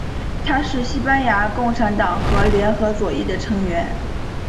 他是西班牙共产党和联合左翼的成员。